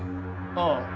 ああ。